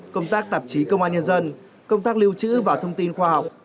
công tác tạp chí công an nhân dân công tác lưu trữ và thông tin khoa học